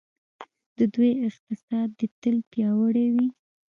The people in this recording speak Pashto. د دوی اقتصاد دې تل پیاوړی وي.